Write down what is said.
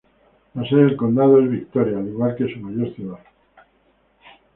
La sede del condado es Victoria, al igual que su mayor ciudad.